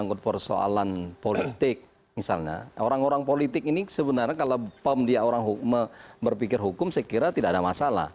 orang orang politik ini sebenarnya kalau dia berpikir hukum saya kira tidak ada masalah